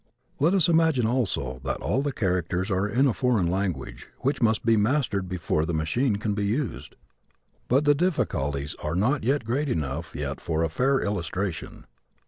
Let us imagine also that all the characters are in a foreign language which must be mastered before the machine can be used. But the difficulties are not great enough yet for a fair illustration.